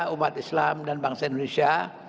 umat islam dan bangsa indonesia